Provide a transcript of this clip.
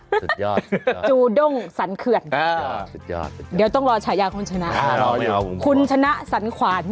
สุดยอดจูด้งสรรเขื่อนสุดยอดเดี๋ยวต้องรอฉายาคุณชนะคุณชนะสันขวาน